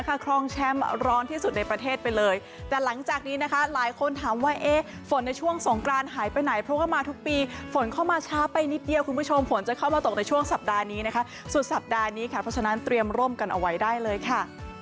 คนถามว่าเอ๊ะฝนในช่วงส่งกรานหายไปไหนเพราะว่ามาทุกปีฝนเข้ามาช้าไปนิดเดียวคุณผู้ชมฝนจะเข้ามาตกในช่วงสัปดาห์นี้นะคะสุดสัปดาห์นี้ค่ะเพราะฉะนั้นเตรียมร่มกันเอาไว้ได้เลยค่ะ